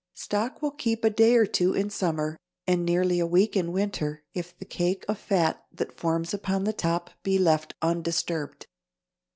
Stock will keep a day or two in summer and nearly a week in winter, if the cake of fat that forms upon the top be left undisturbed.